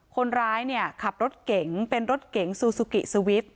คนร้ายเนี่ยขับรถเก๋งเป็นรถเก๋งซูซูกิสวิตช์